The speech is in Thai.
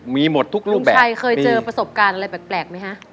มีหมดทุกรูปแบบใครเคยเจอประสบการณ์อะไรแปลกไหมฮะ